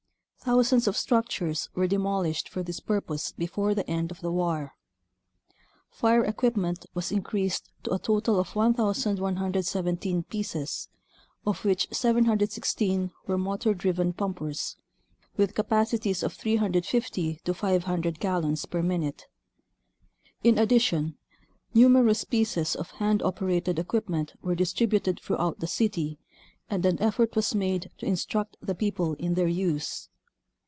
Thousands of structures were de molished for this purpose before the end of the war. Fire equipment was increased to a total of 1,117 pieces, of which 716 were motor driven pumpers with capacities of 350 to 500 gallons per minute. In addition, numerous pieces of hand operated equipment were distributed throughout the city, and an effort was made to instruct the people in their use.